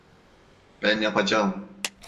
Ben yapacağım.